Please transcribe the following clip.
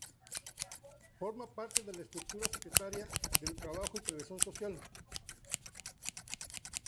Forma parte de la estructura Secretaría del Trabajo y Previsión Social.